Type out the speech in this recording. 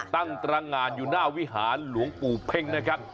ตั้งตรงานอยู่หน้าวิหารหลวงปู่เพ่งนะครับ